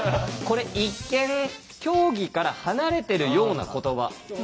これ一見競技から離れてるような言葉。